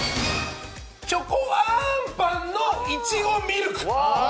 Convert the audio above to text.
チョコあんぱんのいちごミルク。